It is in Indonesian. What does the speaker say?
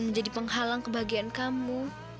menjadi penghalang kebahagiaan kamu